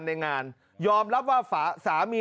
ในงานยอมรับว่าสามี